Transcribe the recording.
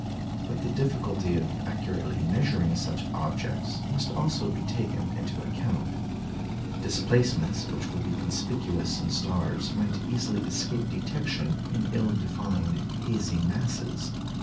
But the difficulty of accurately measuring such objects must also be taken into account. Displacements which would be conspicuous in stars might easily escape detection in ill defined, hazy masses.